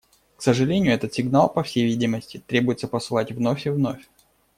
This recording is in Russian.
К сожалению, этот сигнал, по всей видимости, требуется посылать вновь и вновь.